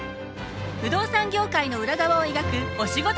不動産業界の裏側を描くお仕事